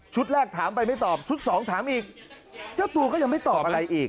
แรกถามไปไม่ตอบชุดสองถามอีกเจ้าตัวก็ยังไม่ตอบอะไรอีก